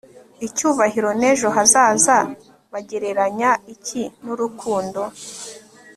icyubahiro n'ejo hazaza, bagereranya iki n'urukundo